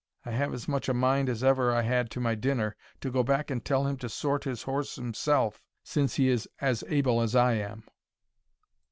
I have as much a mind as ever I had to my dinner, to go back and tell him to sort his horse himself, since he is as able as I am."